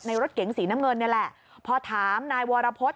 รถเก๋งสีน้ำเงินนี่แหละพอถามนายวรพฤษ